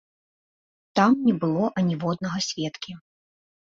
Там не было аніводнага сведкі.